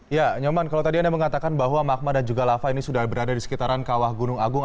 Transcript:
ya nyoman kalau tadi anda mengatakan bahwa magma dan juga lava ini sudah berada di sekitaran kawah gunung agung